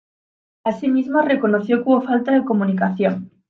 Asimismo, reconoció que hubo falta de comunicación.